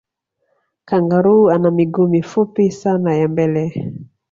kangaroo ana miguu mifupi sana ya mbele